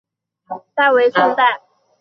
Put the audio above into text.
栗川白塔的历史年代为宋代。